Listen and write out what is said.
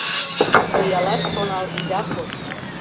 Лӱялаш шонал ида кошт.